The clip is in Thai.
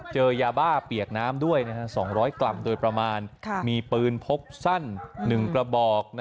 เจอยาบ้าเปียกน้ำด้วย๒๐๐กรัมโดยประมาณมีปืนพกสั้น๑กระบอก